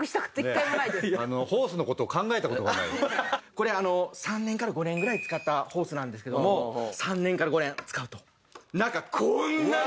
これ３年から５年ぐらい使ったホースなんですけども３年から５年使うと中こんなに！